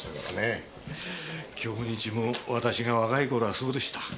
京日も私が若い頃はそうでした。